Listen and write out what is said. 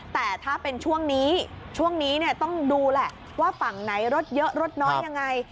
แต่ถ้าเป็นช่วงนี้ช่วงนี้เนี่ยต้องดูแหละว่าฝั่งไหนรถเยอะรถน้อยยังไง